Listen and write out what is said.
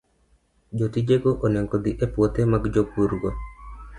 Jotijego onego odhi e puothe mag jopurgo